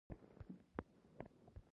بیزوګان ولې یو بل سره مرسته کوي؟